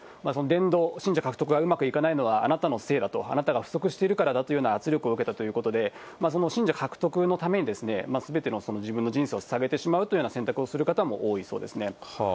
伝道、信者獲得がうまくいかないのは、あなたのせいだと、あなたがふそくしているからだという圧力を受けたということで、その信者獲得のために、すべての自分の人生をささげてしまうというような選択をする方も多いそうですね。